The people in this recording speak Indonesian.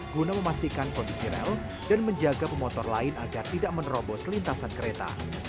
guna memastikan kondisi rel dan menjaga pemotor lain agar tidak menerobos lintasan kereta